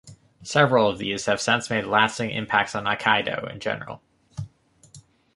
Several of these have since made lasting impacts on aikido in general.